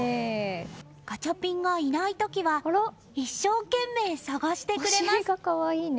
ガチャピンがいない時は一生懸命探してくれます。